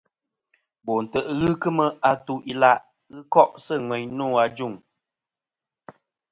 Bo ntè' ghɨ kemɨ atu-ila' ghɨ ko'sɨ ŋweyn nô ajuŋ.